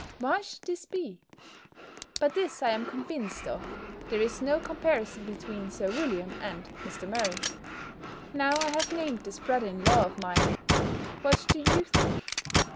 Why should this be? But this I am convinced of, there is no comparison between Sir William and Mr. Murray. Now I have named this brother in law of mine; what do you think?